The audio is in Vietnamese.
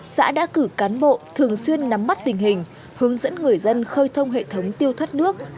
xã đã cử cán bộ thường xuyên nắm mắt tình hình hướng dẫn người dân khơi thông hệ thống tiêu thoát nước